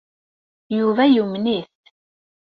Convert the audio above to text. Yuba yumen-it.